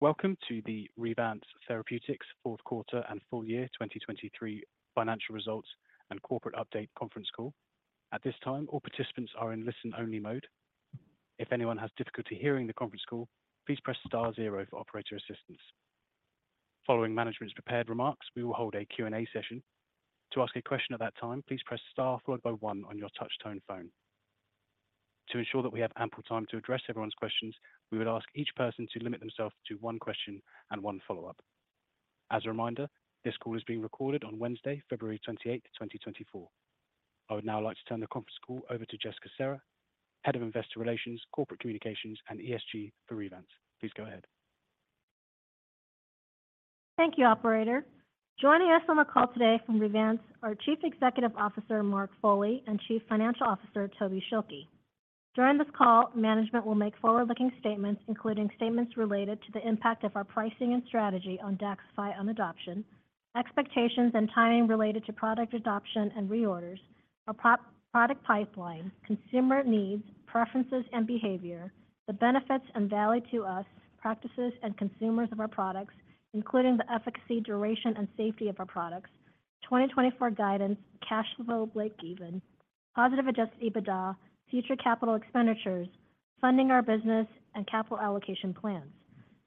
Welcome to the Revance Therapeutics Fourth Quarter and Full Year 2023 Financial Results and Corporate Update Conference Call. At this time, all participants are in listen-only mode. If anyone has difficulty hearing the conference call, please press star zero for operator assistance. Following management's prepared remarks, we will hold a Q&A session. To ask a question at that time, please press star followed by one on your touchtone phone. To ensure that we have ample time to address everyone's questions, we would ask each person to limit themselves to one question and one follow-up. As a reminder, this call is being recorded on Wednesday, February 28th, 2024. I would now like to turn the conference call over to Jessica Serra, Head of Investor Relations, Corporate Communications, and ESG for Revance. Please go ahead. Thank you, operator. Joining us on the call today from Revance are Chief Executive Officer, Mark Foley, and Chief Financial Officer, Toby Schilke. During this call, management will make forward-looking statements, including statements related to the impact of our pricing and strategy on DAXXIFY on adoption, expectations and timing related to product adoption and reorders, our pro- product pipeline, consumer needs, preferences, and behavior, the benefits and value to us, practices and consumers of our products, including the efficacy, duration, and safety of our products, 2024 guidance, cash flow break even, positive adjusted EBITDA, future capital expenditures, funding our business and capital allocation plans,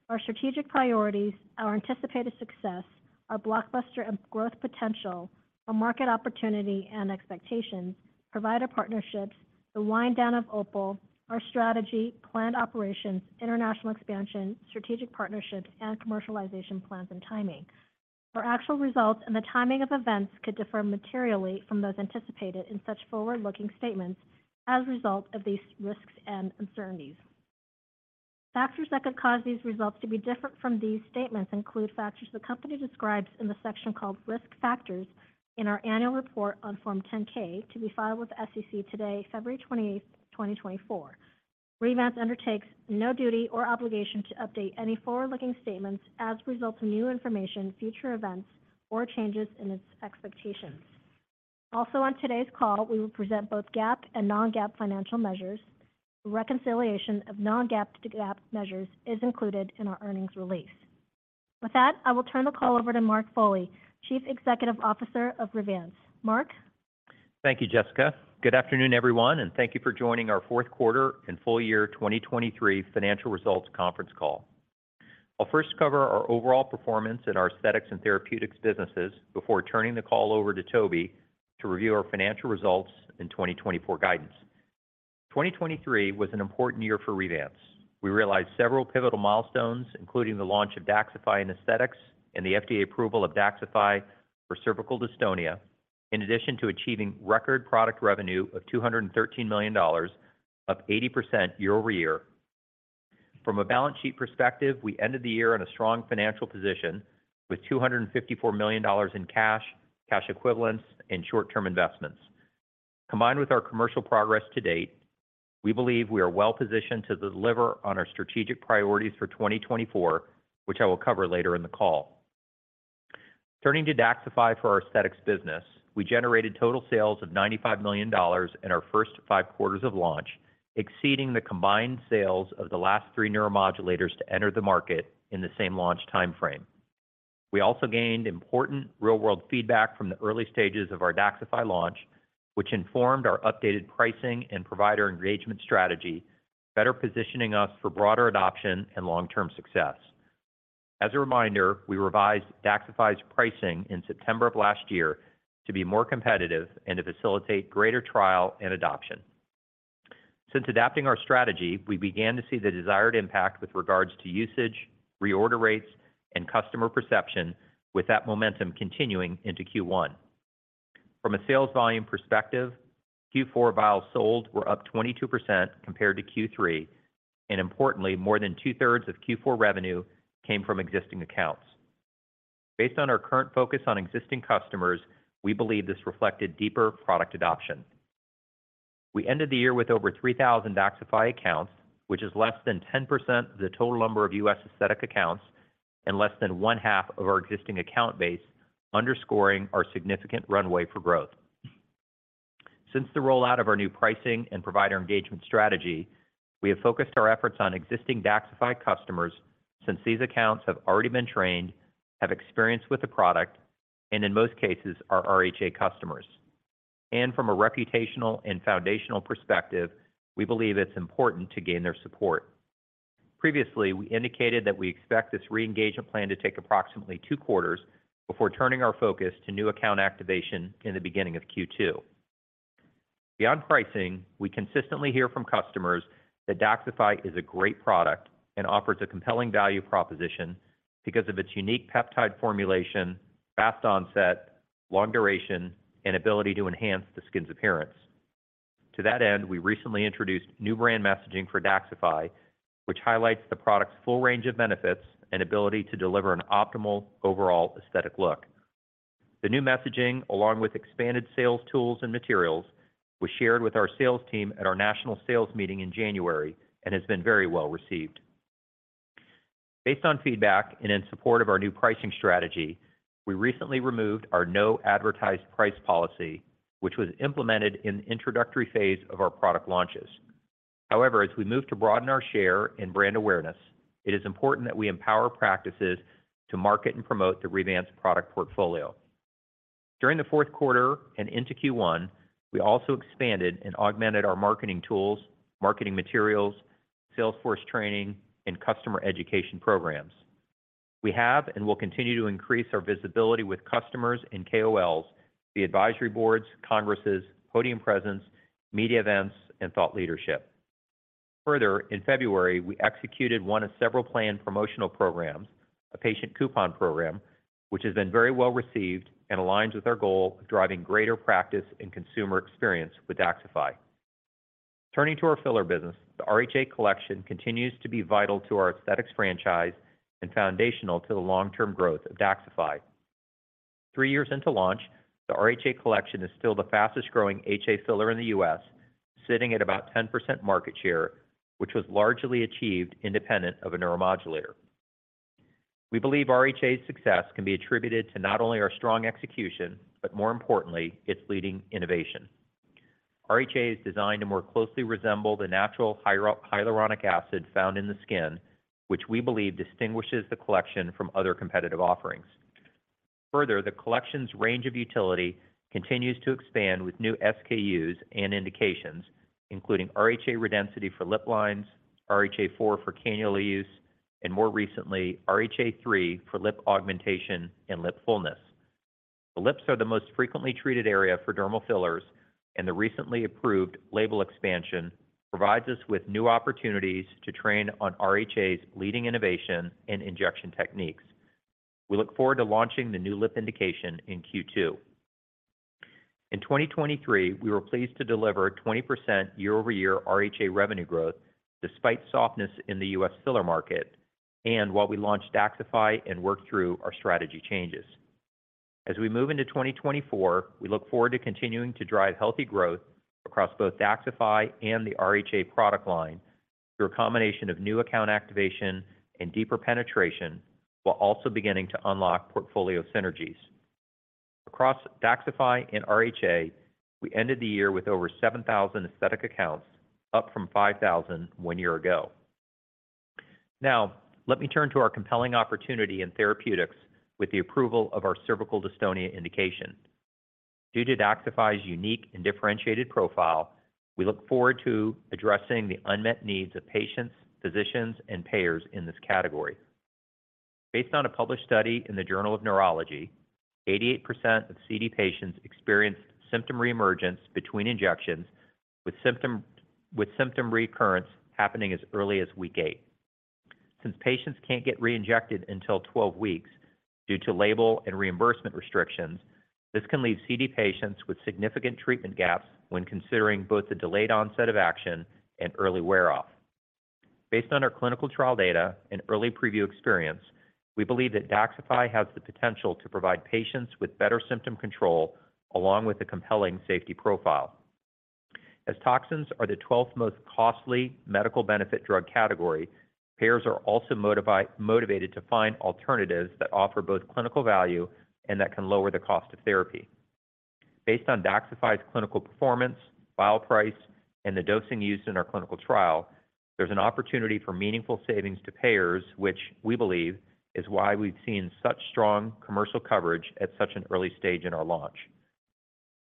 our strategic priorities, our anticipated success, our blockbuster and growth potential, our market opportunity and expectations, provider partnerships, the wind down of OPUL, our strategy, planned operations, international expansion, strategic partnerships, and commercialization plans and timing. Our actual results and the timing of events could differ materially from those anticipated in such forward-looking statements as a result of these risks and uncertainties. Factors that could cause these results to be different from these statements include factors the company describes in the section called Risk Factors in our annual report on Form 10-K to be filed with the SEC today, February 28th, 2024. Revance undertakes no duty or obligation to update any forward-looking statements as a result of new information, future events, or changes in its expectations. Also, on today's call, we will present both GAAP and non-GAAP financial measures. The reconciliation of non-GAAP to GAAP measures is included in our earnings release. With that, I will turn the call over to Mark Foley, Chief Executive Officer of Revance. Mark? Thank you, Jessica. Good afternoon, everyone, and thank you for joining our fourth quarter and full year 2023 financial results conference call. I'll first cover our overall performance in our aesthetics and therapeutics businesses before turning the call over to Toby to review our financial results in 2024 guidance. 2023 was an important year for Revance. We realized several pivotal milestones, including the launch of DAXXIFY and Aesthetics and the FDA approval of DAXXIFY for Cervical Dystonia, in addition to achieving record product revenue of $213 million, up 80% year-over-year. From a balance sheet perspective, we ended the year in a strong financial position with $254 million in cash, cash equivalents, and short-term investments. Combined with our commercial progress to date, we believe we are well positioned to deliver on our strategic priorities for 2024, which I will cover later in the call. Turning to DAXXIFY for our aesthetics business, we generated total sales of $95 million in our first five quarters of launch, exceeding the combined sales of the last three neuromodulators to enter the market in the same launch timeframe. We also gained important real-world feedback from the early stages of our DAXXIFY launch, which informed our updated pricing and provider engagement strategy, better positioning us for broader adoption and long-term success. As a reminder, we revised DAXXIFY's pricing in September of last year to be more competitive and to facilitate greater trial and adoption. Since adapting our strategy, we began to see the desired impact with regards to usage, reorder rates, and customer perception, with that momentum continuing into Q1. From a sales volume perspective, Q4 vials sold were up 22% compared to Q3, and importantly, more than two-thirds of Q4 revenue came from existing accounts. Based on our current focus on existing customers, we believe this reflected deeper product adoption. We ended the year with over 3,000 DAXXIFY accounts, which is less than 10% of the total number of U.S. aesthetic accounts and less than one half of our existing account base, underscoring our significant runway for growth. Since the rollout of our new pricing and provider engagement strategy, we have focused our efforts on existing DAXXIFY customers since these accounts have already been trained, have experience with the product, and in most cases, are RHA customers. From a reputational and foundational perspective, we believe it's important to gain their support. Previously, we indicated that we expect this re-engagement plan to take approximately two quarters before turning our focus to new account activation in the beginning of Q2. Beyond pricing, we consistently hear from customers that DAXXIFY is a great product and offers a compelling value proposition because of its unique peptide formulation, fast onset, long duration, and ability to enhance the skin's appearance. To that end, we recently introduced new brand messaging for DAXXIFY, which highlights the product's full range of benefits and ability to deliver an optimal overall aesthetic look. The new messaging, along with expanded sales tools and materials, was shared with our sales team at our national sales meeting in January and has been very well received. Based on feedback and in support of our new pricing strategy,... We recently removed our no advertised price policy, which was implemented in the introductory phase of our product launches. However, as we move to broaden our share and brand awareness, it is important that we empower practices to market and promote the Revance product portfolio. During the fourth quarter and into Q1, we also expanded and augmented our marketing tools, marketing materials, salesforce training, and customer education programs. We have and will continue to increase our visibility with customers and KOLs, the advisory boards, congresses, podium presence, media events, and thought leadership. Further, in February, we executed one of several planned promotional programs, a patient coupon program, which has been very well received and aligns with our goal of driving greater practice and consumer experience with DAXXIFY. Turning to our filler business, the RHA Collection continues to be vital to our aesthetics franchise and foundational to the long-term growth of DAXXIFY. Three years into launch, the RHA Collection is still the fastest-growing HA filler in the U.S., sitting at about 10% market share, which was largely achieved independent of a neuromodulator. We believe RHA's success can be attributed to not only our strong execution, but more importantly, its leading innovation. RHA is designed to more closely resemble the natural hyaluronic acid found in the skin, which we believe distinguishes the collection from other competitive offerings. Further, the collection's range of utility continues to expand with new SKUs and indications, including RHA Redensity for lip lines, RHA 4 for cannula use, and more recently, RHA 3 for lip augmentation and lip fullness. The lips are the most frequently treated area for dermal fillers, and the recently approved label expansion provides us with new opportunities to train on RHA's leading innovation and injection techniques. We look forward to launching the new lip indication in Q2. In 2023, we were pleased to deliver 20% year-over-year RHA revenue growth, despite softness in the U.S. filler market, and while we launched DAXXIFY and worked through our strategy changes. As we move into 2024, we look forward to continuing to drive healthy growth across both DAXXIFY and the RHA product line through a combination of new account activation and deeper penetration, while also beginning to unlock portfolio synergies. Across DAXXIFY and RHA, we ended the year with over 7,000 aesthetic accounts, up from 5,000 one year ago. Now, let me turn to our compelling opportunity in therapeutics with the approval of our Cervical Dystonia indication. Due to DAXXIFY's unique and differentiated profile, we look forward to addressing the unmet needs of patients, physicians, and payers in this category. Based on a published study in the Journal of Neurology, 88% of CD patients experienced symptom reemergence between injections, with symptom recurrence happening as early as week 8. Since patients can't get reinjected until 12 weeks due to label and reimbursement restrictions, this can leave CD patients with significant treatment gaps when considering both the delayed onset of action and early wear-off. Based on our clinical trial data and early preview experience, we believe that DAXXIFY has the potential to provide patients with better symptom control, along with a compelling safety profile. As toxins are the 12th most costly medical benefit drug category, payers are also motivated to find alternatives that offer both clinical value and that can lower the cost of therapy. Based on DAXXIFY's clinical performance, vial price, and the dosing used in our clinical trial, there's an opportunity for meaningful savings to payers, which we believe is why we've seen such strong commercial coverage at such an early stage in our launch.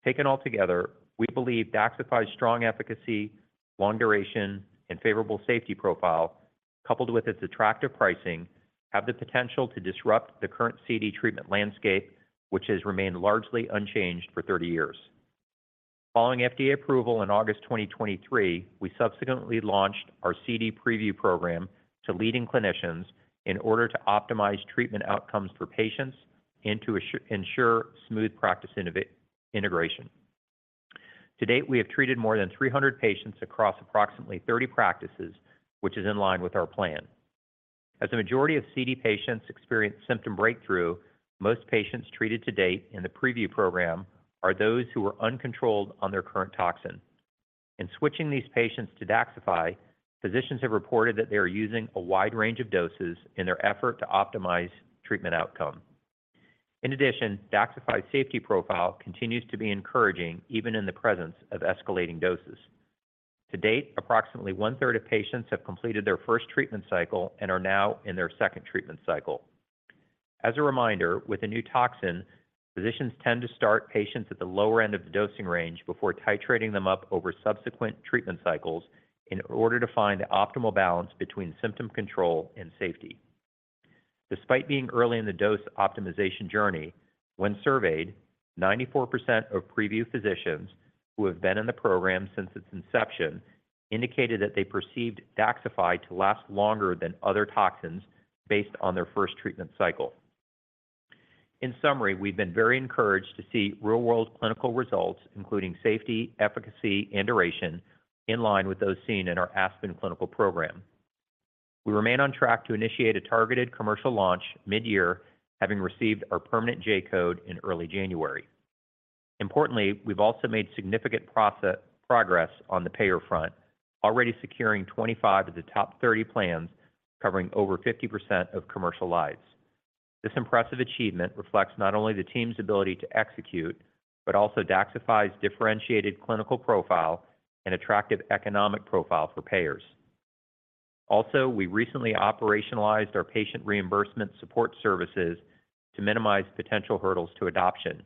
Taken altogether, we believe DAXXIFY's strong efficacy, long duration, and favorable safety profile, coupled with its attractive pricing, have the potential to disrupt the current CD treatment landscape, which has remained largely unchanged for 30 years. Following FDA approval in August 2023, we subsequently launched our CD preview program to leading clinicians in order to optimize treatment outcomes for patients and to ensure smooth practice integration. To date, we have treated more than 300 patients across approximately 30 practices, which is in line with our plan. As the majority of CD patients experience symptom breakthrough, most patients treated to date in the preview program are those who were uncontrolled on their current toxin. In switching these patients to DAXXIFY, physicians have reported that they are using a wide range of doses in their effort to optimize treatment outcome. In addition, DAXXIFY's safety profile continues to be encouraging, even in the presence of escalating doses. To date, approximately one-third of patients have completed their first treatment cycle and are now in their second treatment cycle. As a reminder, with a new toxin, physicians tend to start patients at the lower end of the dosing range before titrating them up over subsequent treatment cycles in order to find the optimal balance between symptom control and safety. Despite being early in the dose optimization journey, when surveyed, 94% of preview physicians who have been in the program since its inception indicated that they perceived DAXXIFY to last longer than other toxins based on their first treatment cycle. In summary, we've been very encouraged to see real-world clinical results, including safety, efficacy, and duration, in line with those seen in our ASPEN clinical program. We remain on track to initiate a targeted commercial launch mid-year, having received our permanent J-code in early January. Importantly, we've also made significant progress on the payer front, already securing 25 of the top 30 plans, covering over 50% of commercial lives. This impressive achievement reflects not only the team's ability to execute, but also DAXXIFY's differentiated clinical profile and attractive economic profile for payers. Also, we recently operationalized our patient reimbursement support services to minimize potential hurdles to adoption.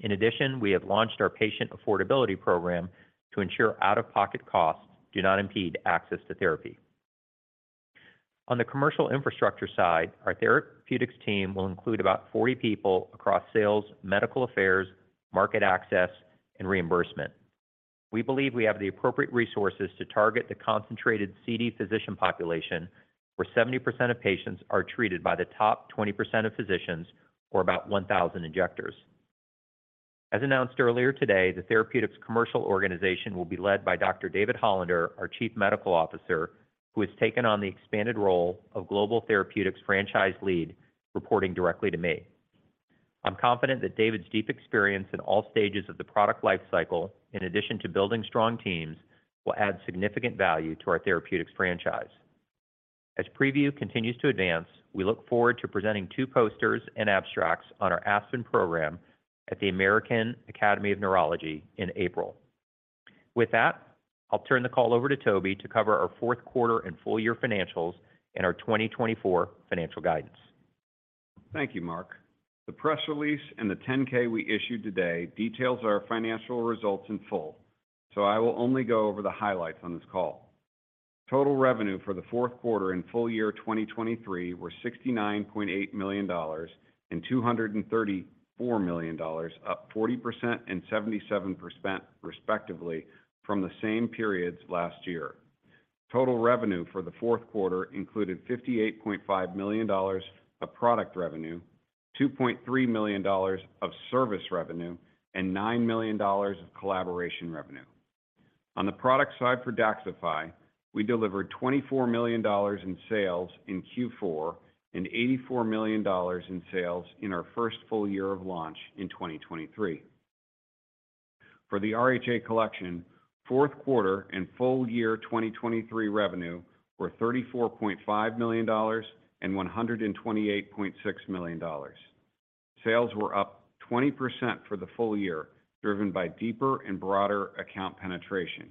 In addition, we have launched our patient affordability program to ensure out-of-pocket costs do not impede access to therapy. On the commercial infrastructure side, our therapeutics team will include about 40 people across sales, medical affairs, market access, and reimbursement. We believe we have the appropriate resources to target the concentrated CD physician population, where 70% of patients are treated by the top 20% of physicians, or about 1,000 injectors. As announced earlier today, the therapeutics commercial organization will be led by Dr. David Hollander, our Chief Medical Officer, who has taken on the expanded role of Global Therapeutics Franchise Lead, reporting directly to me. I'm confident that David's deep experience in all stages of the product lifecycle, in addition to building strong teams, will add significant value to our therapeutics franchise. As preview continues to advance, we look forward to presenting two posters and abstracts on our ASPEN program at the American Academy of Neurology in April. With that, I'll turn the call over to Toby to cover our fourth quarter and full year financials and our 2024 financial guidance. Thank you, Mark. The press release and the 10-K we issued today details our financial results in full, so I will only go over the highlights on this call. Total revenue for the fourth quarter and full year 2023 were $69.8 million and $234 million, up 40% and 77% respectively from the same periods last year. Total revenue for the fourth quarter included $58.5 million of product revenue, $2.3 million of service revenue, and $9 million of collaboration revenue. On the product side for DAXXIFY, we delivered $24 million in sales in Q4 and $84 million in sales in our first full year of launch in 2023. For the RHA Collection, fourth quarter and full year 2023 revenue were $34.5 million and $128.6 million. Sales were up 20% for the full year, driven by deeper and broader account penetration.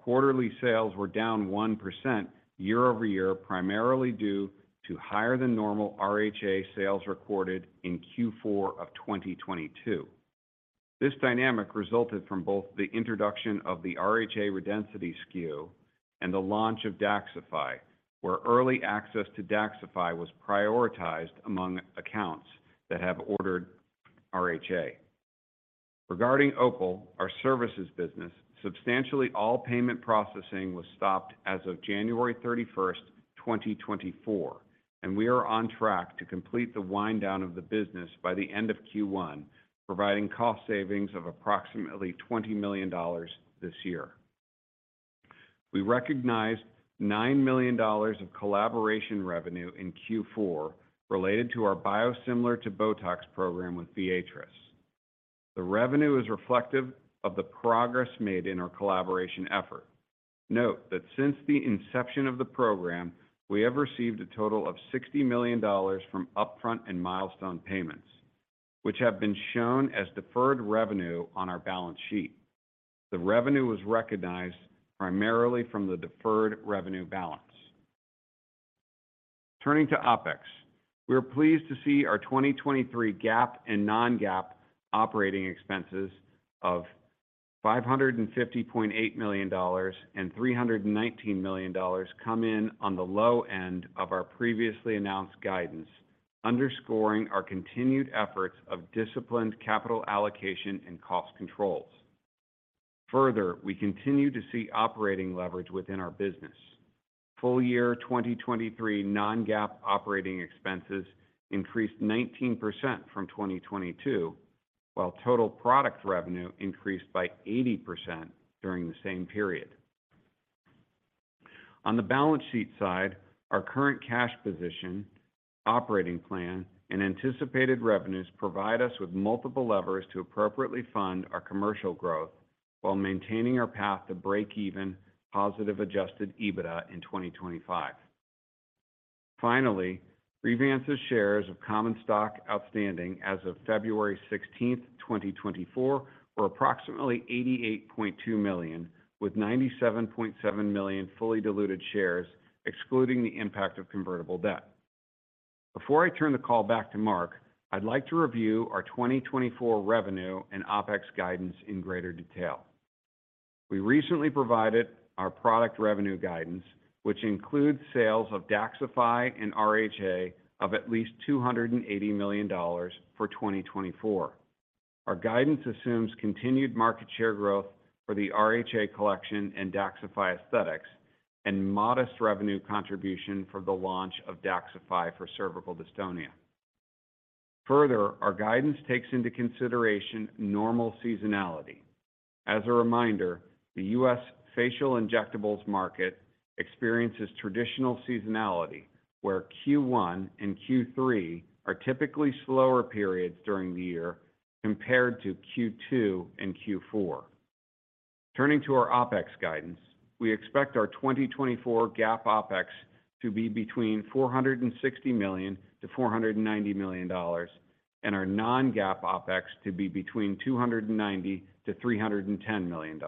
Quarterly sales were down 1% year-over-year, primarily due to higher than normal RHA sales recorded in Q4 of 2022. This dynamic resulted from both the introduction of the RHA Redensity SKU and the launch of DAXXIFY, where early access to DAXXIFY was prioritized among accounts that have ordered RHA. Regarding OPUL, our services business, substantially all payment processing was stopped as of January 31, 2024, and we are on track to complete the wind down of the business by the end of Q1, providing cost savings of approximately $20 million this year. We recognized $9 million of collaboration revenue in Q4 related to our biosimilar to BOTOX program with Viatris. The revenue is reflective of the progress made in our collaboration effort. Note that since the inception of the program, we have received a total of $60 million from upfront and milestone payments, which have been shown as deferred revenue on our balance sheet. The revenue was recognized primarily from the deferred revenue balance. Turning to OpEx, we are pleased to see our 2023 GAAP and non-GAAP operating expenses of $550.8 million and $319 million come in on the low end of our previously announced guidance, underscoring our continued efforts of disciplined capital allocation and cost controls. Further, we continue to see operating leverage within our business. Full year 2023 non-GAAP operating expenses increased 19% from 2022, while total product revenue increased by 80% during the same period. On the balance sheet side, our current cash position, operating plan, and anticipated revenues provide us with multiple levers to appropriately fund our commercial growth while maintaining our path to break even positive adjusted EBITDA in 2025. Finally, Revance's shares of common stock outstanding as of February 16, 2024, were approximately 88.2 million, with 97.7 million fully diluted shares, excluding the impact of convertible debt. Before I turn the call back to Mark, I'd like to review our 2024 revenue and OpEx guidance in greater detail. We recently provided our product revenue guidance, which includes sales of DAXXIFY and RHA of at least $280 million for 2024. Our guidance assumes continued market share growth for the RHA Collection and DAXXIFY Aesthetics, and modest revenue contribution for the launch of DAXXIFY for cervical dystonia. Further, our guidance takes into consideration normal seasonality. As a reminder, the U.S. facial injectables market experiences traditional seasonality, where Q1 and Q3 are typically slower periods during the year compared to Q2 and Q4. Turning to our OpEx guidance, we expect our 2024 GAAP OpEx to be between $460 million-$490 million, and our non-GAAP OpEx to be between $290 million-$310 million.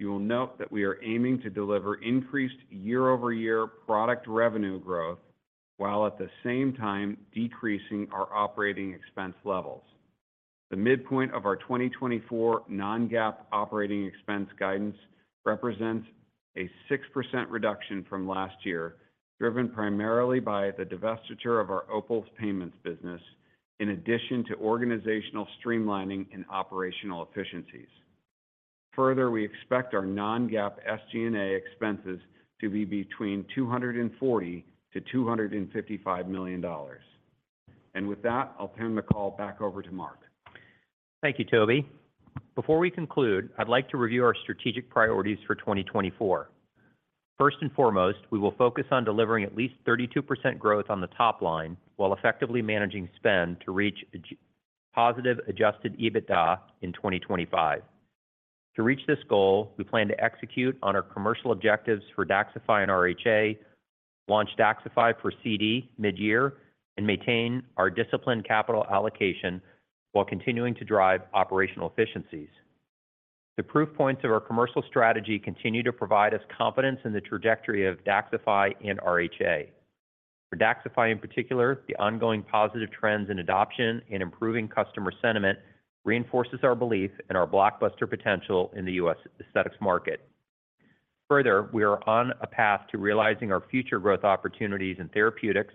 You will note that we are aiming to deliver increased year-over-year product revenue growth, while at the same time decreasing our operating expense levels. The midpoint of our 2024 non-GAAP operating expense guidance represents a 6% reduction from last year, driven primarily by the divestiture of our OPUL Payments business, in addition to organizational streamlining and operational efficiencies. Further, we expect our non-GAAP SG&A expenses to be between $240 million-$255 million. And with that, I'll turn the call back over to Mark. Thank you, Toby. Before we conclude, I'd like to review our strategic priorities for 2024. First and foremost, we will focus on delivering at least 32% growth on the top line, while effectively managing spend to reach positive adjusted EBITDA in 2025. To reach this goal, we plan to execute on our commercial objectives for DAXXIFY and RHA, launch DAXXIFY for CD mid-year, and maintain our disciplined capital allocation while continuing to drive operational efficiencies. The proof points of our commercial strategy continue to provide us confidence in the trajectory of DAXXIFY and RHA. For DAXXIFY, in particular, the ongoing positive trends in adoption and improving customer sentiment reinforces our belief in our blockbuster potential in the US aesthetics market. Further, we are on a path to realizing our future growth opportunities in therapeutics,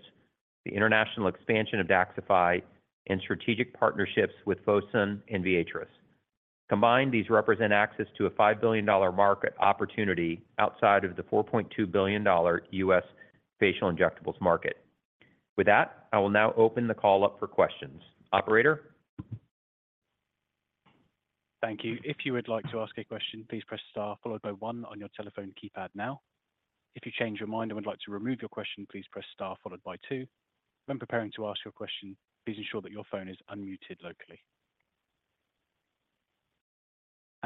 the international expansion of DAXXIFY, and strategic partnerships with Fosun and Viatris. Combined, these represent access to a $5 billion market opportunity outside of the $4.2 billion US facial injectables market. With that, I will now open the call up for questions. Operator? Thank you. If you would like to ask a question, please press star, followed by one on your telephone keypad now. If you change your mind and would like to remove your question, please press star followed by two. When preparing to ask your question, please ensure that your phone is unmuted locally.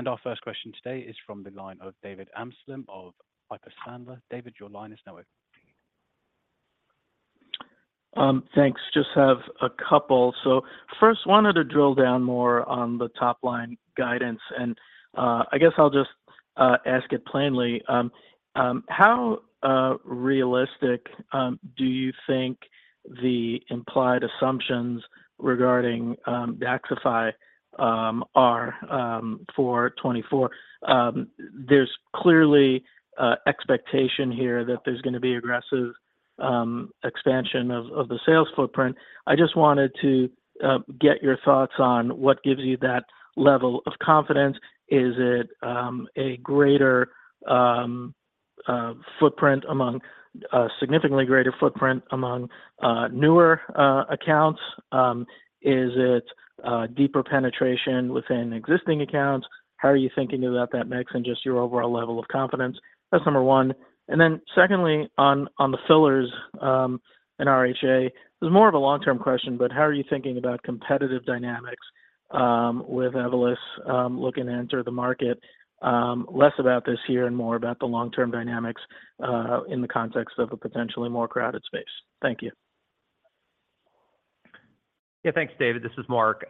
Our first question today is from the line of David Amsellem of Piper Sandler. David, your line is now open. Thanks. Just have a couple. So first, wanted to drill down more on the top-line guidance, and, I guess I'll just ask it plainly. How realistic do you think the implied assumptions regarding DAXXIFY are for 2024? There's clearly expectation here that there's going to be aggressive expansion of the sales footprint. I just wanted to get your thoughts on what gives you that level of confidence. Is it a greater footprint among a significantly greater footprint among newer accounts? Is it deeper penetration within existing accounts? How are you thinking about that mix and just your overall level of confidence? That's number one. And then secondly, on the fillers and RHA, this is more of a long-term question, but how are you thinking about competitive dynamics with Evolus looking to enter the market, less about this year and more about the long-term dynamics in the context of a potentially more crowded space? Thank you. Yeah, thanks, David. This is Mark.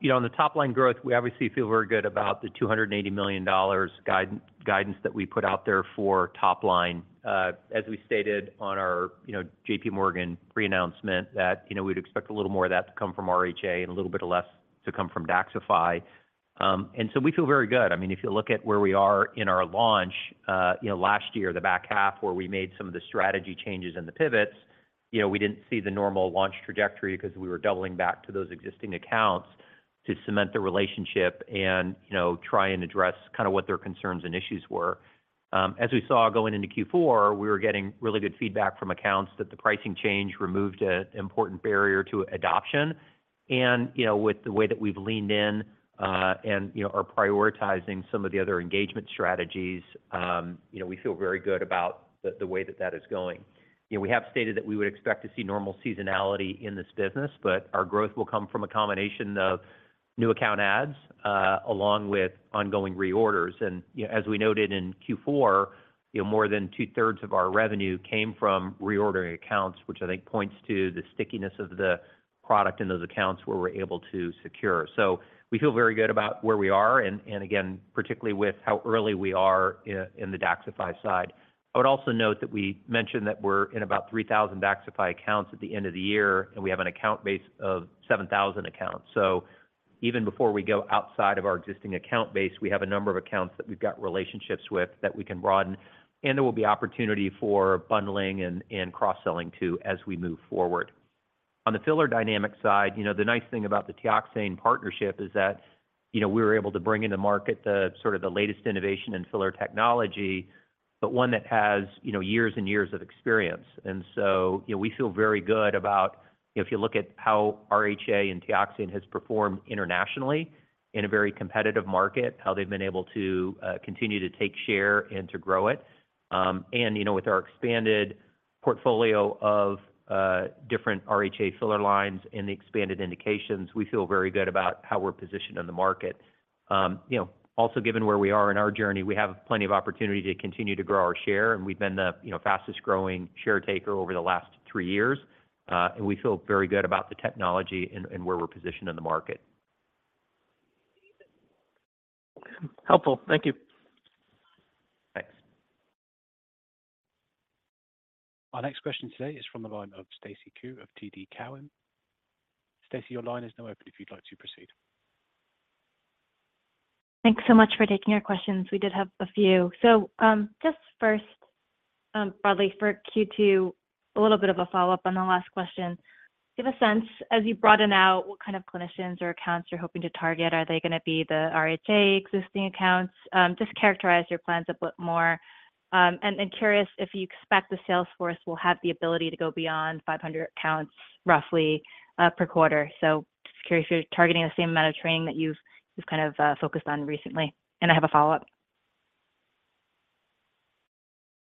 You know, on the top line growth, we obviously feel very good about the $280 million guidance that we put out there for top line. As we stated on our, you know, J.P. Morgan pre-announcement, that, you know, we'd expect a little more of that to come from RHA and a little bit of less to come from DAXXIFY. And so we feel very good. I mean, if you look at where we are in our launch, you know, last year, the back half, where we made some of the strategy changes and the pivots, you know, we didn't see the normal launch trajectory because we were doubling back to those existing accounts to cement the relationship and, you know, try and address kind of what their concerns and issues were. As we saw going into Q4, we were getting really good feedback from accounts that the pricing change removed an important barrier to adoption. And, you know, with the way that we've leaned in, and, you know, are prioritizing some of the other engagement strategies, you know, we feel very good about the way that that is going. You know, we have stated that we would expect to see normal seasonality in this business, but our growth will come from a combination of new account adds, along with ongoing reorders. And, you know, as we noted in Q4, you know, more than two-thirds of our revenue came from reordering accounts, which I think points to the stickiness of the product in those accounts where we're able to secure. So we feel very good about where we are, and again, particularly with how early we are in the DAXXIFY side. I would also note that we mentioned that we're in about 3,000 DAXXIFY accounts at the end of the year, and we have an account base of 7,000 accounts. So even before we go outside of our existing account base, we have a number of accounts that we've got relationships with that we can broaden, and there will be opportunity for bundling and cross-selling too, as we move forward. On the filler dynamic side, you know, the nice thing about the Teoxane partnership is that, you know, we were able to bring in the market the sort of the latest innovation in filler technology, but one that has, you know, years and years of experience. So, you know, we feel very good about if you look at how RHA and Teoxane has performed internationally in a very competitive market, how they've been able to continue to take share and to grow it. You know, with our expanded portfolio of different RHA filler lines and the expanded indications, we feel very good about how we're positioned in the market. You know, also, given where we are in our journey, we have plenty of opportunity to continue to grow our share, and we've been the, you know, fastest-growing share taker over the last three years. And we feel very good about the technology and where we're positioned in the market. Helpful. Thank you. Thanks. Our next question today is from the line of Stacy Ku of TD Cowen. Stacy, your line is now open, if you'd like to proceed. Thanks so much for taking our questions. We did have a few. So, just first, broadly for Q2, a little bit of a follow-up on the last question. Give a sense, as you broaden out, what kind of clinicians or accounts you're hoping to target. Are they going to be the RHA existing accounts? Just characterize your plans a bit more. And curious if you expect the sales force will have the ability to go beyond 500 accounts, roughly, per quarter. So just curious if you're targeting the same amount of training that you've kind of focused on recently. And I have a follow-up.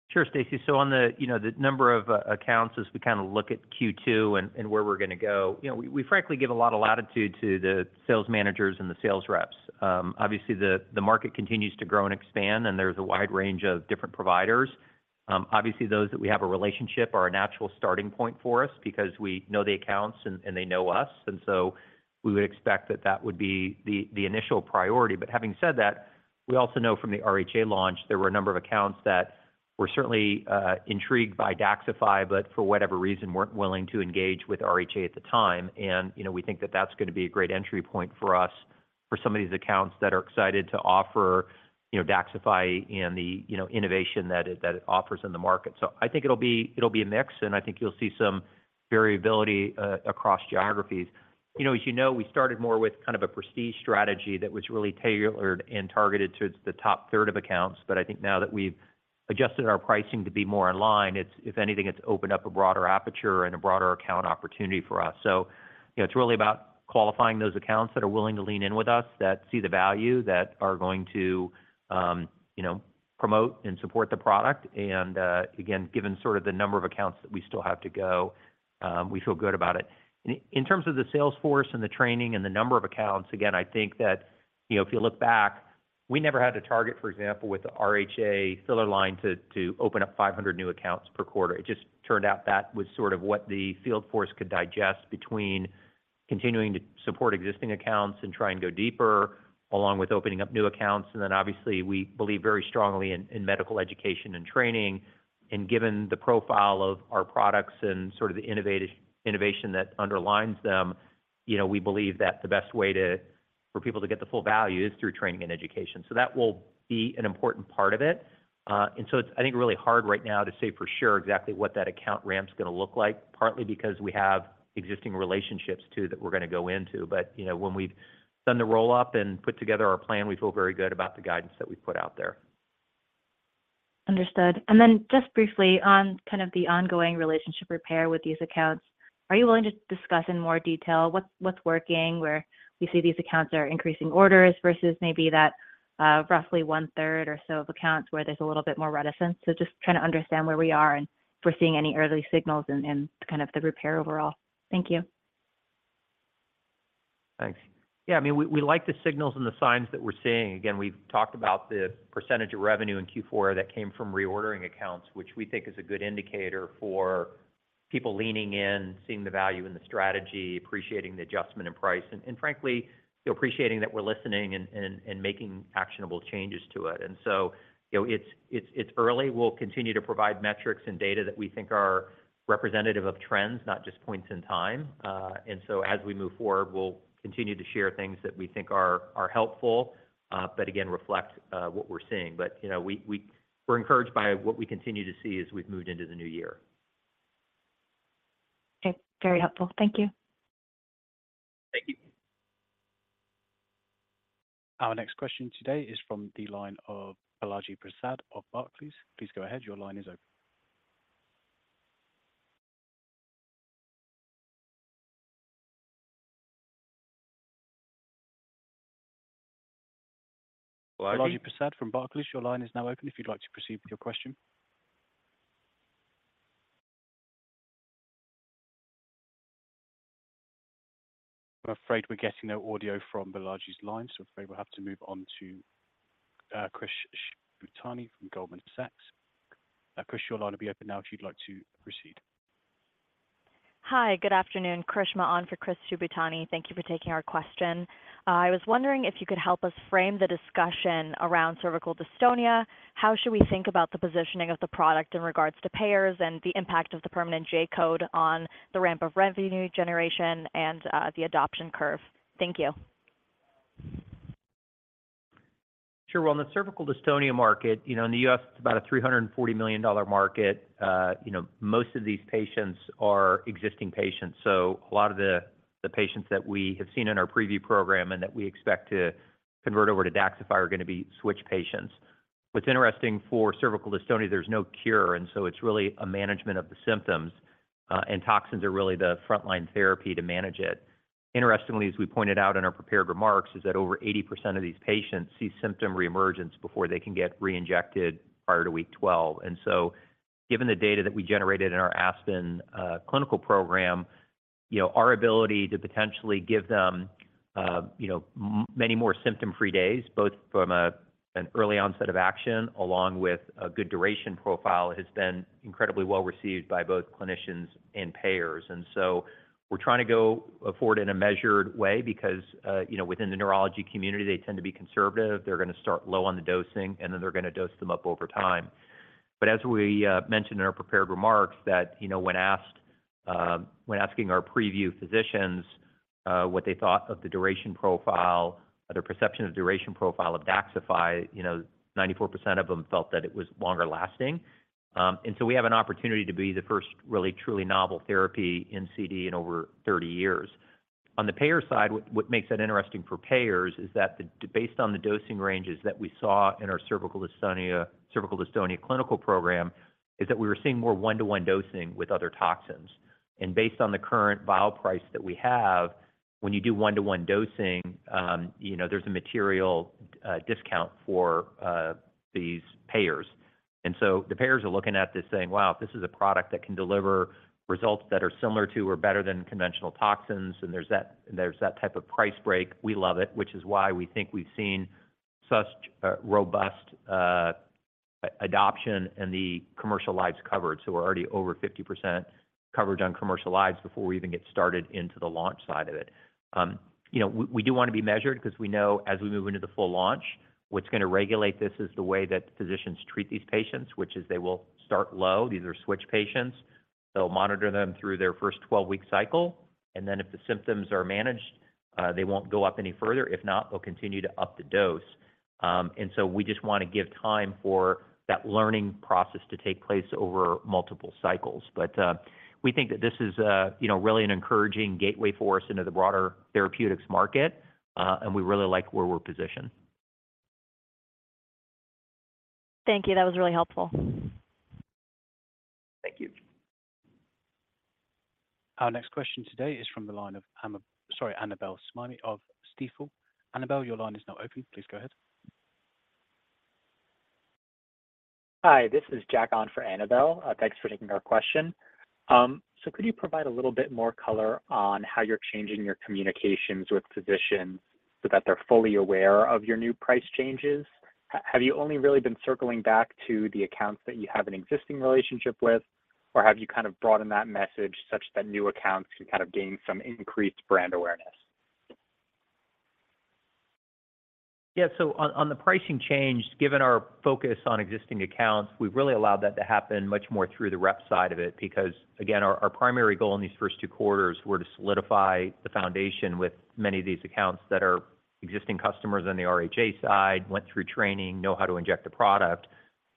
Sure, Stacy. So on the, you know, the number of accounts as we kind of look at Q2 and where we're going to go, you know, we frankly give a lot of latitude to the sales managers and the sales reps. Obviously, the market continues to grow and expand, and there's a wide range of different providers. Obviously, those that we have a relationship are a natural starting point for us because we know the accounts and they know us, and so we would expect that that would be the initial priority. But having said that, we also know from the RHA launch, there were a number of accounts that were certainly intrigued by DAXXIFY, but for whatever reason, weren't willing to engage with RHA at the time. And, you know, we think that that's going to be a great entry point for us for some of these accounts that are excited to offer, you know, DAXXIFY and the, you know, innovation that it, that it offers in the market. So I think it'll be, it'll be a mix, and I think you'll see some variability across geographies. You know, as you know, we started more with kind of a prestige strategy that was really tailored and targeted towards the top third of accounts. But I think now that we've adjusted our pricing to be more in line, it's, if anything, it's opened up a broader aperture and a broader account opportunity for us. So, you know, it's really about qualifying those accounts that are willing to lean in with us, that see the value, that are going to, you know, promote and support the product. Again, given sort of the number of accounts that we still have to go, we feel good about it. In terms of the sales force and the training and the number of accounts, again, I think that, you know, if you look back, we never had to target, for example, with the RHA filler line, to open up 500 new accounts per quarter. It just turned out that was sort of what the field force could digest between continuing to support existing accounts and try and go deeper, along with opening up new accounts. And then obviously, we believe very strongly in medical education and training, and given the profile of our products and sort of the innovation that underlines them, you know, we believe that the best way to, for people to get the full value is through training and education. So that will be an important part of it. And so it's, I think, really hard right now to say for sure exactly what that account ramp is going to look like, partly because we have existing relationships, too, that we're going to go into. But, you know, when we've done the roll-up and put together our plan, we feel very good about the guidance that we've put out there. Understood. Then just briefly on kind of the ongoing relationship repair with these accounts, are you willing to discuss in more detail what's working, where we see these accounts are increasing orders versus maybe that roughly one-third or so of accounts where there's a little bit more reticence? So just trying to understand where we are and if we're seeing any early signals and kind of the repair overall. Thank you. Thanks. Yeah, I mean, we like the signals and the signs that we're seeing. Again, we've talked about the percentage of revenue in Q4 that came from reordering accounts, which we think is a good indicator for people leaning in, seeing the value in the strategy, appreciating the adjustment in price, and frankly, appreciating that we're listening and making actionable changes to it. And so, you know, it's early. We'll continue to provide metrics and data that we think are representative of trends, not just points in time. And so as we move forward, we'll continue to share things that we think are helpful, but again, reflect what we're seeing. But, you know, we're encouraged by what we continue to see as we've moved into the new year. Okay, very helpful. Thank you. Thank you. Our next question today is from the line of Balaji Prasad of Barclays. Please go ahead. Your line is open. Balaji Prasad from Barclays, your line is now open if you'd like to proceed with your question. I'm afraid we're getting no audio from Balaji's line, so I'm afraid we'll have to move on to Chris Shibutani from Goldman Sachs. Chris, your line will be open now, if you'd like to proceed. Hi, good afternoon. Krishna on for Chris Shibutani. Thank you for taking our question. I was wondering if you could help us frame the discussion around cervical dystonia. How should we think about the positioning of the product in regards to payers and the impact of the permanent J-code on the ramp of revenue generation and the adoption curve? Thank you. Sure. Well, in the Cervical Dystonia market, you know, in the US, it's about a $340 million market. You know, most of these patients are existing patients, so a lot of the, the patients that we have seen in our preview program and that we expect to convert over to DAXXIFY are going to be switch patients. What's interesting for Cervical Dystonia, there's no cure, and so it's really a management of the symptoms. And toxins are really the frontline therapy to manage it. Interestingly, as we pointed out in our prepared remarks, is that over 80% of these patients see symptom reemergence before they can get reinjected prior to week 12. Given the data that we generated in our ASPEN clinical program, you know, our ability to potentially give them many more symptom-free days, both from an early onset of action along with a good duration profile, has been incredibly well received by both clinicians and payers. We're trying to go forward in a measured way because, you know, within the neurology community, they tend to be conservative. They're going to start low on the dosing, and then they're going to dose them up over time. But as we mentioned in our prepared remarks, that, you know, when asking our preview physicians what they thought of the duration profile, their perception of duration profile of DAXXIFY, you know, 94% of them felt that it was longer lasting. And so we have an opportunity to be the first really, truly novel therapy in CD in over 30 years. On the payer side, what makes it interesting for payers is that based on the dosing ranges that we saw in our cervical dystonia clinical program, is that we were seeing more one-to-one dosing with other toxins. And based on the current vial price that we have, when you do one-to-one dosing, you know, there's a material discount for these payers. And so the payers are looking at this saying, "Wow, this is a product that can deliver results that are similar to or better than conventional toxins," and there's that type of price break. We love it, which is why we think we've seen such robust adoption in the commercial lives covered. So we're already over 50% covered on commercial lives before we even get started into the launch side of it. You know, we do want to be measured because we know as we move into the full launch, what's going to regulate this is the way that physicians treat these patients, which is they will start low. These are switch patients. They'll monitor them through their first 12-week cycle, and then if the symptoms are managed, they won't go up any further. If not, they'll continue to up the dose. And so we just want to give time for that learning process to take place over multiple cycles. But we think that this is, you know, really an encouraging gateway for us into the broader therapeutics market, and we really like where we're positioned. Thank you. That was really helpful. Thank you. Our next question today is from the line of Annabel Samimy of Stifel. Annabel, your line is now open. Please go ahead. Hi, this is Jack on for Annabel. Thanks for taking our question. Could you provide a little bit more color on how you're changing your communications with physicians so that they're fully aware of your new price changes? Have you only really been circling back to the accounts that you have an existing relationship with, or have you kind of broadened that message such that new accounts can kind of gain some increased brand awareness? Yeah. So on the pricing change, given our focus on existing accounts, we've really allowed that to happen much more through the rep side of it, because, again, our primary goal in these first two quarters was to solidify the foundation with many of these accounts that are existing customers on the RHA side, went through training, know how to inject the product,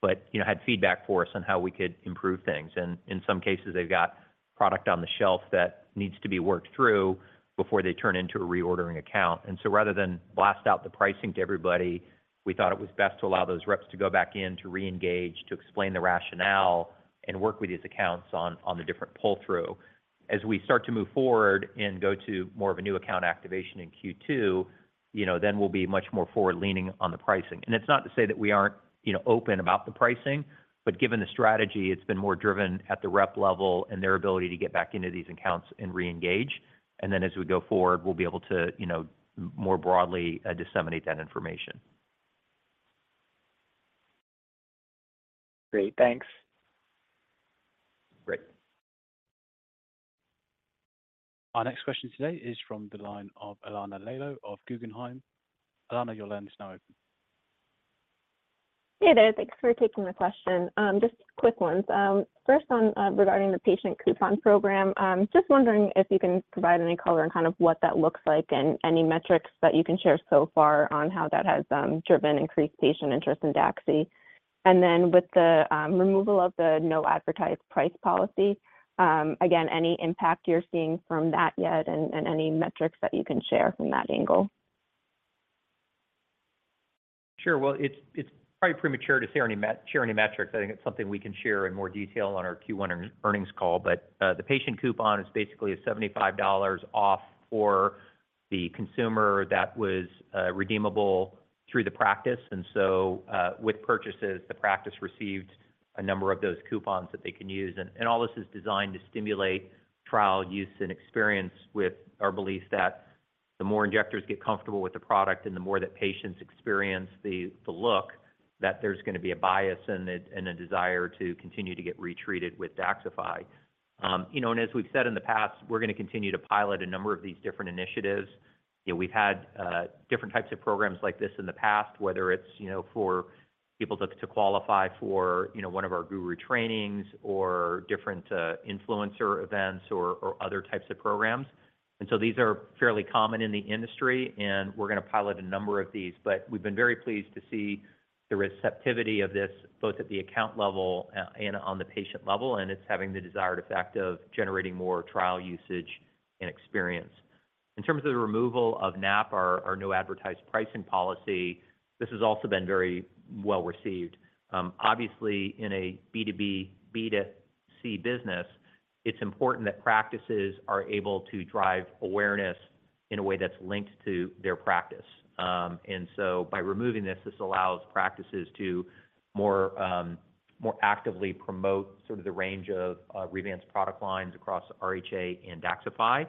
but, you know, had feedback for us on how we could improve things. And in some cases, they've got product on the shelf that needs to be worked through before they turn into a reordering account. And so rather than blast out the pricing to everybody, we thought it was best to allow those reps to go back in, to reengage, to explain the rationale, and work with these accounts on the different pull-through. As we start to move forward and go to more of a new account activation in Q2, you know, then we'll be much more forward-leaning on the pricing. It's not to say that we aren't, you know, open about the pricing, but given the strategy, it's been more driven at the rep level and their ability to get back into these accounts and reengage. Then as we go forward, we'll be able to, you know, more broadly disseminate that information. Great. Thanks. Great. Our next question today is from the line of Alana Lelo of Guggenheim. Alana, your line is now open. Hey there. Thanks for taking the question. Just quick ones. First one, regarding the patient coupon program, just wondering if you can provide any color on kind of what that looks like and any metrics that you can share so far on how that has driven increased patient interest in DAXI? And then with the removal of the no advertised price policy, again, any impact you're seeing from that yet and any metrics that you can share from that angle? Sure. Well, it's probably premature to share any metrics. I think it's something we can share in more detail on our Q1 earnings call. But the patient coupon is basically a $75 off for the consumer that was redeemable through the practice. And so, with purchases, the practice received a number of those coupons that they can use, and all this is designed to stimulate trial use and experience with our belief that the more injectors get comfortable with the product and the more that patients experience the look, that there's going to be a bias and a desire to continue to get retreated with DAXXIFY. You know, and as we've said in the past, we're going to continue to pilot a number of these different initiatives. You know, we've had different types of programs like this in the past, whether it's, you know, for people to qualify for, you know, one of our guru trainings or different influencer events or other types of programs. And so these are fairly common in the industry, and we're going to pilot a number of these. But we've been very pleased to see the receptivity of this, both at the account level and on the patient level, and it's having the desired effect of generating more trial usage and experience. In terms of the removal of NAP, our no advertised pricing policy, this has also been very well received. Obviously, in a B2B, B2C business, it's important that practices are able to drive awareness in a way that's linked to their practice. And so by removing this, this allows practices to more, more actively promote sort of the range of Revance product lines across RHA and DAXXIFY.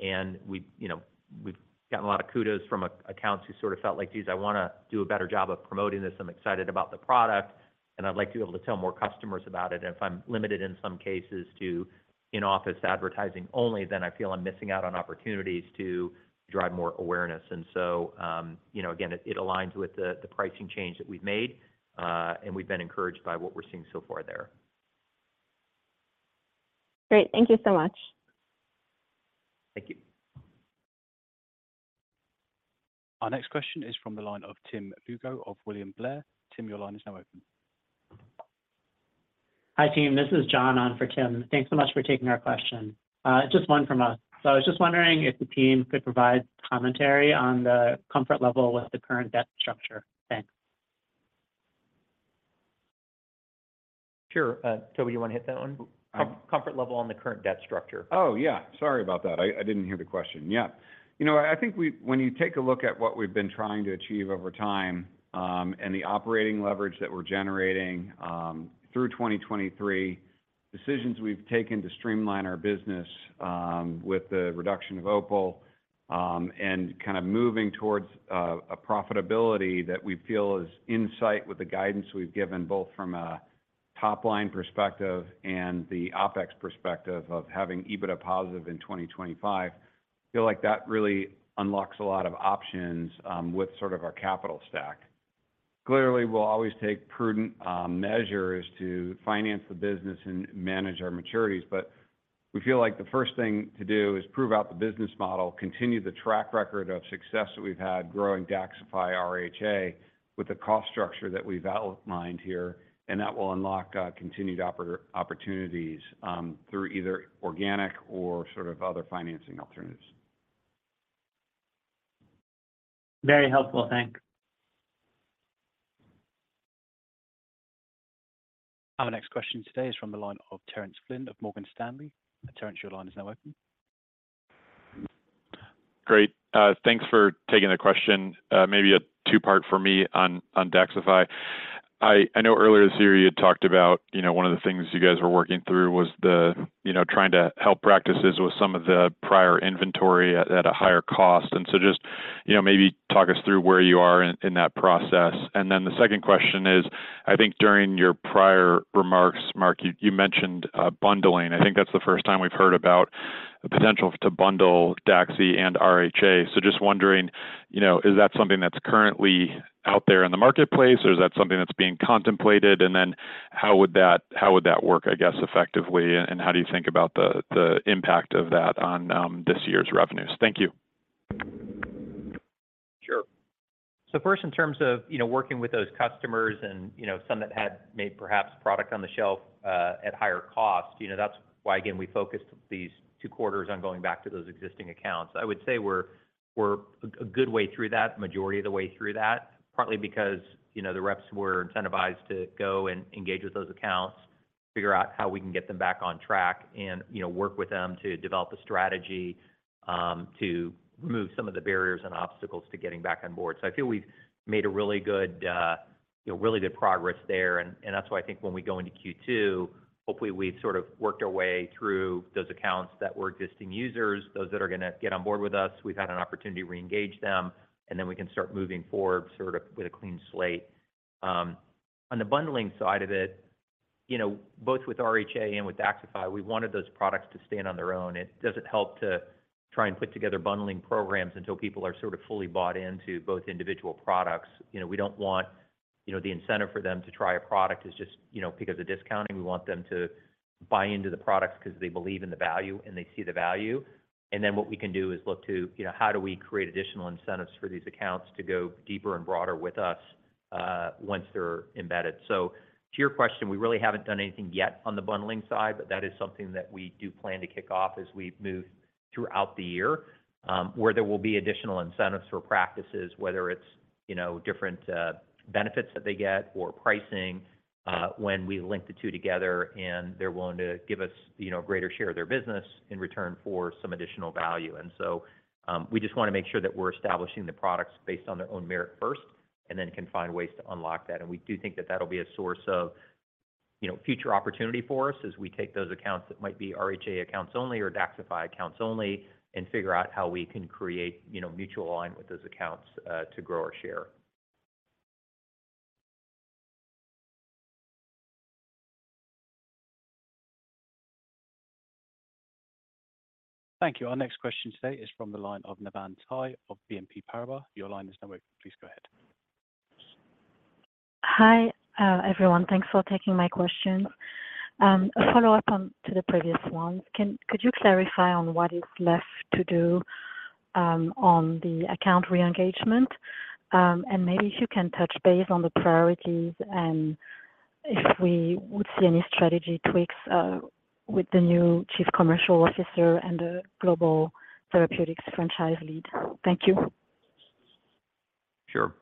And we, you know, we've gotten a lot of kudos from accounts who sort of felt like, "Geez, I wanna do a better job of promoting this. I'm excited about the product, and I'd like to be able to tell more customers about it. And if I'm limited in some cases to in-office advertising only, then I feel I'm missing out on opportunities to drive more awareness." And so, you know, again, it, it aligns with the, the pricing change that we've made, and we've been encouraged by what we're seeing so far there. Great. Thank you so much. Thank you. Our next question is from the line of Tim Lugo of William Blair. Tim, your line is now open. Hi, team. This is John on for Tim. Thanks so much for taking our question. Just one from us. I was just wondering if the team could provide commentary on the comfort level with the current debt structure. Thanks. Sure. Toby, you wanna hit that one? I- Comfort level on the current debt structure. Oh, yeah. Sorry about that. I didn't hear the question. Yeah. You know, I think we, when you take a look at what we've been trying to achieve over time, and the operating leverage that we're generating through 2023, decisions we've taken to streamline our business, with the reduction of OPUL, and kind of moving towards a profitability that we feel is in sight with the guidance we've given, both from a top-line perspective and the OpEx perspective of having EBITDA positive in 2025, I feel like that really unlocks a lot of options, with sort of our capital stack. Clearly, we'll always take prudent measures to finance the business and manage our maturities, but we feel like the first thing to do is prove out the business model, continue the track record of success that we've had growing DAXXIFY RHA with the cost structure that we've outlined here, and that will unlock continued opportunities through either organic or sort of other financing alternatives. Very helpful. Thank you. Our next question today is from the line of Terence Flynn of Morgan Stanley. Terence, your line is now open. Great. Thanks for taking the question. Maybe a two-part for me on, on DAXXIFY. I know earlier this year, you had talked about, you know, one of the things you guys were working through was the, you know, trying to help practices with some of the prior inventory at, at a higher cost. And so just, you know, maybe talk us through where you are in, in that process. And then the second question is, I think during your prior remarks, Mark, you mentioned, bundling. I think that's the first time we've heard about the potential to bundle DAXXIFY and RHA. So just wondering, you know, is that something that's currently out there in the marketplace, or is that something that's being contemplated? And then how would that, how would that work, I guess, effectively, and, and how do you think about the, the impact of that on, this year's revenues? Thank you. Sure. So first, in terms of, you know, working with those customers and, you know, some that had maybe perhaps product on the shelf at higher cost, you know, that's why, again, we focused these two quarters on going back to those existing accounts. I would say we're a good way through that, majority of the way through that, partly because, you know, the reps were incentivized to go and engage with those accounts, figure out how we can get them back on track and, you know, work with them to develop a strategy to remove some of the barriers and obstacles to getting back on board. So I feel we've made a really good, you know, really good progress there. That's why I think when we go into Q2, hopefully we've sort of worked our way through those accounts that were existing users, those that are gonna get on board with us. We've had an opportunity to reengage them, and then we can start moving forward sort of with a clean slate. On the bundling side of it, you know, both with RHA and with DAXXIFY, we wanted those products to stand on their own. It doesn't help to try and put together bundling programs until people are sort of fully bought into both individual products. You know, we don't want, you know, the incentive for them to try a product is just, you know, because of discounting. We want them to buy into the products because they believe in the value and they see the value. And then what we can do is look to, you know, how do we create additional incentives for these accounts to go deeper and broader with us, once they're embedded? So to your question, we really haven't done anything yet on the bundling side, but that is something that we do plan to kick off as we move throughout the year, where there will be additional incentives for practices, whether it's, you know, different, benefits that they get or pricing, when we link the two together and they're willing to give us, you know, a greater share of their business in return for some additional value. And so, we just wanna make sure that we're establishing the products based on their own merit first, and then can find ways to unlock that. And we do think that that'll be a source of, you know, future opportunity for us as we take those accounts that might be RHA accounts only or DAXXIFY accounts only, and figure out how we can create, you know, mutual alignment with those accounts to grow our share. Thank you. Our next question today is from the line of Navann Ty of BNP Paribas. Your line is now open. Please go ahead. Hi, everyone. Thanks for taking my questions. A follow-up on to the previous one. Could you clarify on what is left to do?... on the account reengagement. And maybe if you can touch base on the priorities and if we would see any strategy tweaks, with the new Chief Commercial Officer and the Global Therapeutics Franchise Lead. Thank you. Sure.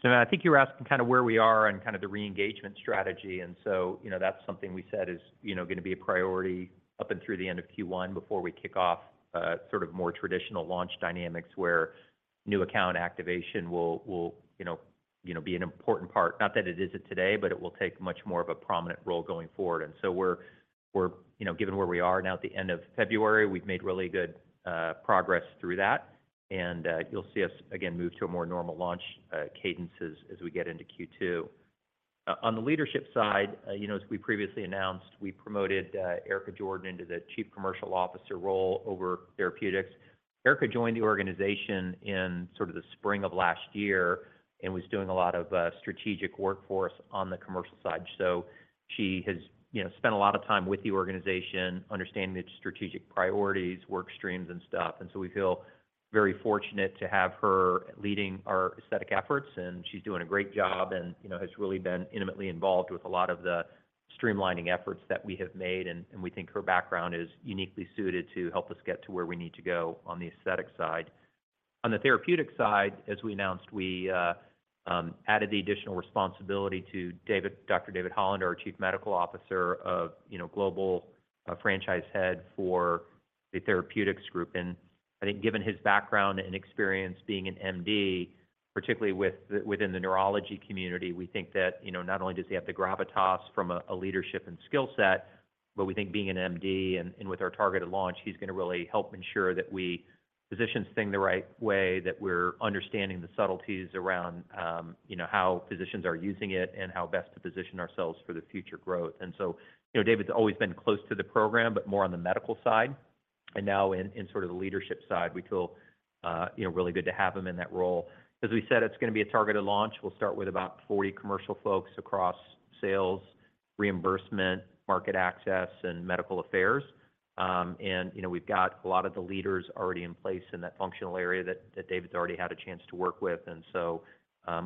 So I think you were asking kind of where we are and kind of the reengagement strategy, and so, you know, that's something we said is, you know, gonna be a priority up and through the end of Q1 before we kick off, sort of more traditional launch dynamics, where new account activation will, you know, you know, be an important part. Not that it isn't today, but it will take much more of a prominent role going forward. And so we're, we're. You know, given where we are now at the end of February, we've made really good progress through that, and, you'll see us again move to a more normal launch cadences as we get into Q2. On the leadership side, you know, as we previously announced, we promoted Erica Jordan into the Chief Commercial Officer role over therapeutics. Erica joined the organization in sort of the spring of last year and was doing a lot of strategic work for us on the commercial side. So she has, you know, spent a lot of time with the organization, understanding its strategic priorities, work streams and stuff, and so we feel very fortunate to have her leading our aesthetic efforts, and she's doing a great job and, you know, has really been intimately involved with a lot of the streamlining efforts that we have made, and we think her background is uniquely suited to help us get to where we need to go on the aesthetic side. On the therapeutic side, as we announced, we added the additional responsibility to David, Dr. David Hollander, our Chief Medical Officer, of, you know, Global Franchise Head for the therapeutics group. I think given his background and experience being an MD, particularly within the neurology community, we think that, you know, not only does he have the gravitas from a leadership and skill set, but we think being an MD and with our targeted launch, he's gonna really help ensure that we position things the right way, that we're understanding the subtleties around, you know, how physicians are using it and how best to position ourselves for the future growth. And so, you know, David's always been close to the program, but more on the medical side, and now in sort of the leadership side, we feel, you know, really good to have him in that role. As we said, it's gonna be a targeted launch. We'll start with about 40 commercial folks across sales, reimbursement, market access, and medical affairs. You know, we've got a lot of the leaders already in place in that functional area that David's already had a chance to work with. So,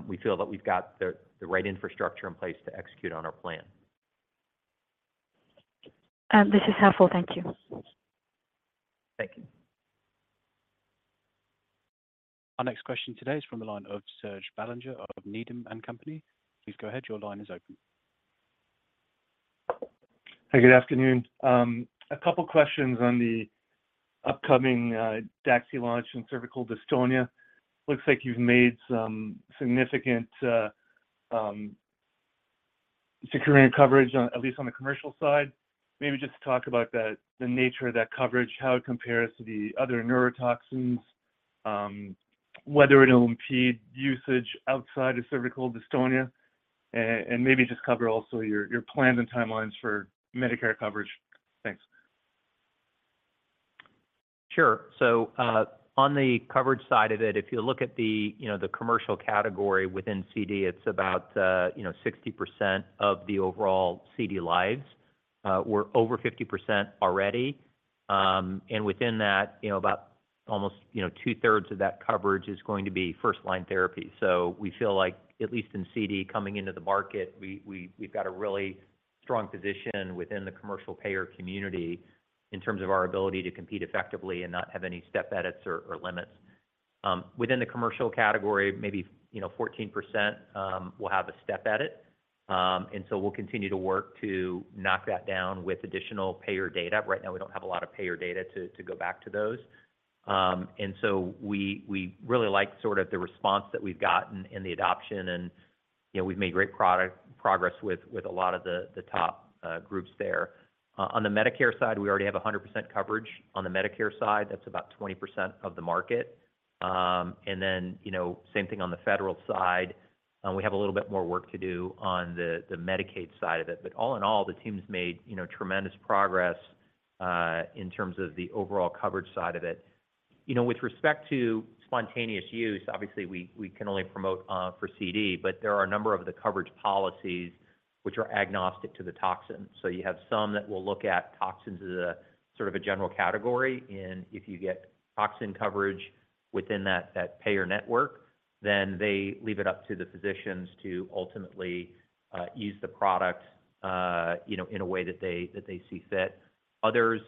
we feel that we've got the right infrastructure in place to execute on our plan. This is helpful. Thank you. Thank you. Our next question today is from the line of Serge Belanger of Needham and Company. Please go ahead. Your line is open. Hi, good afternoon. A couple questions on the upcoming DAXXIFY launch and cervical dystonia. Looks like you've made some significant securing coverage on, at least on the commercial side. Maybe just talk about the nature of that coverage, how it compares to the other neurotoxins, whether it'll impede usage outside of cervical dystonia, and maybe just cover also your plans and timelines for Medicare coverage. Thanks. Sure. So, on the coverage side of it, if you look at the, you know, the commercial category within CD, it's about, you know, 60% of the overall CD lives. We're over 50% already, and within that, you know, about almost, you know, two-thirds of that coverage is going to be first-line therapy. So we feel like, at least in CD, coming into the market, we've got a really strong position within the commercial payer community in terms of our ability to compete effectively and not have any step edits or limits. Within the commercial category, maybe, you know, 14% will have a step edit. And so we'll continue to work to knock that down with additional payer data. Right now, we don't have a lot of payer data to go back to those. And so we really like sort of the response that we've gotten in the adoption and, you know, we've made great product progress with a lot of the top groups there. On the Medicare side, we already have 100% coverage. On the Medicare side, that's about 20% of the market. And then, you know, same thing on the federal side. We have a little bit more work to do on the Medicaid side of it, but all in all, the team's made, you know, tremendous progress in terms of the overall coverage side of it. You know, with respect to spontaneous use, obviously, we can only promote for CD, but there are a number of the coverage policies which are agnostic to the toxin. So you have some that will look at toxins as a sort of a general category, and if you get toxin coverage within that, that payer network, then they leave it up to the physicians to ultimately, use the product, you know, in a way that they, that they see fit. Others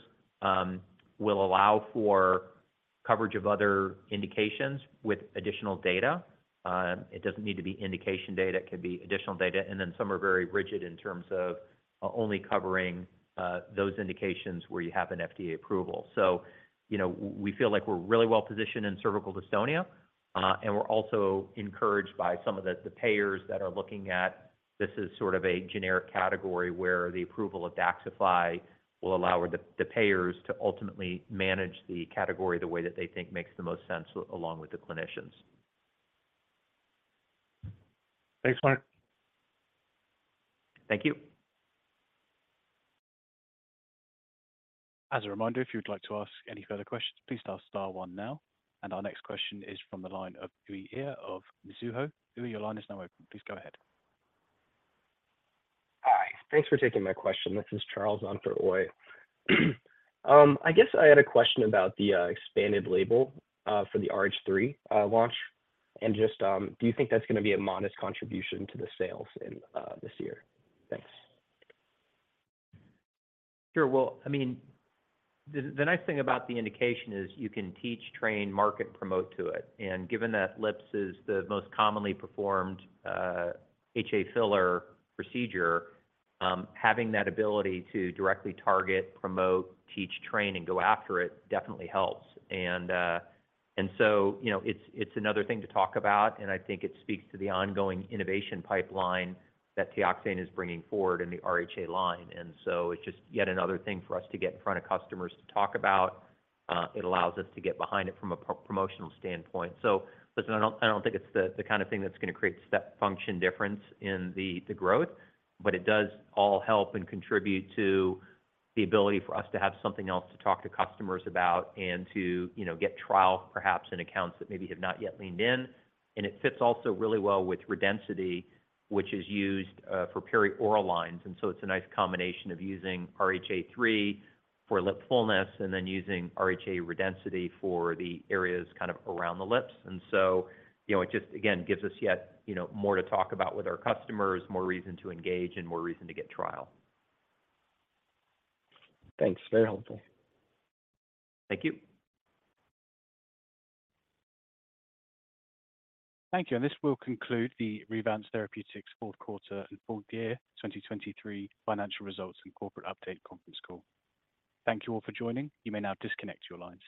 will allow for coverage of other indications with additional data. It doesn't need to be indication data, it could be additional data, and then some are very rigid in terms of, only covering, those indications where you have an FDA approval. So, you know, we feel like we're really well positioned in Cervical Dystonia, and we're also encouraged by some of the payers that are looking at this as sort of a generic category where the approval of DAXXIFY will allow the payers to ultimately manage the category the way that they think makes the most sense, along with the clinicians. Thanks, Mark. Thank you. As a reminder, if you'd like to ask any further questions, please press star one now. Our next question is from the line of Uy Ear of Mizuho. Uy, your line is now open. Please go ahead. Hi, thanks for taking my question. This is Charles on for Uy. I guess I had a question about the expanded label for the RHA 3 launch, and just, do you think that's gonna be a modest contribution to the sales in this year? Thanks. Sure. Well, I mean, the nice thing about the indication is you can teach, train, market, promote to it. And given that lips is the most commonly performed, HA filler procedure, having that ability to directly target, promote, teach, train, and go after it, definitely helps. And so, you know, it's another thing to talk about, and I think it speaks to the ongoing innovation pipeline that Teoxane is bringing forward in the RHA line. And so it's just yet another thing for us to get in front of customers to talk about. It allows us to get behind it from a pro-promotional standpoint. So listen, I don't think it's the kind of thing that's gonna create step function difference in the growth, but it does all help and contribute to the ability for us to have something else to talk to customers about and to, you know, get trial, perhaps in accounts that maybe have not yet leaned in. And it fits also really well with RHA Redensity, which is used for perioral lines. And so it's a nice combination of using RHA 3 for lip fullness, and then using RHA Redensity for the areas kind of around the lips. And so, you know, it just, again, gives us yet, you know, more to talk about with our customers, more reason to engage and more reason to get trial. Thanks. Very helpful. Thank you. Thank you. This will conclude the Revance Therapeutics fourth quarter and full year 2023 financial results and corporate update conference call. Thank you all for joining. You may now disconnect your lines.